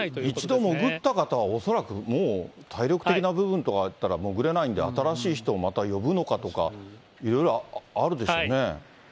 一度潜った方は恐らくもう、体力的な部分とかあったら、潜れないんで、新しい人をまた呼ぶのかとか、いろいろあるでしょうね。